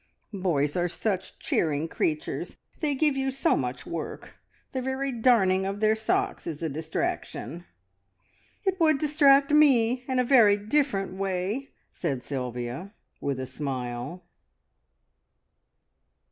Boys are such cheering creatures! They give you so much work. The very darning of their socks is a distraction!" "It would distract me in a very different way!" said Sylvia, with a smile.